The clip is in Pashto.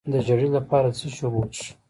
د ژیړي لپاره د څه شي اوبه وڅښم؟